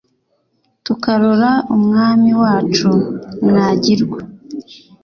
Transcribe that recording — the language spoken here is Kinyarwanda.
tukarora umwami wacu mwagirwa